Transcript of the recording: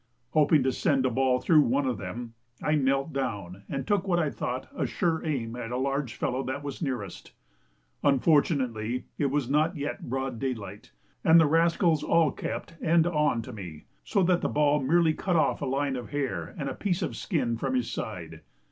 Hoping to send a ball through one of them, I knelt down and took what I thought a sure aim at a large fellow that was nearest; unfortunately it was not yet broad day light, and the rascals all kept end on to me, so that the ball merely cut off a line of hair and a piece of skin from his side.